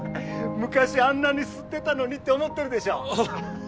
昔あんなに吸ってたのにって思ってるでしょ？